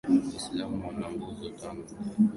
waislamu wana nguzo tano za ibada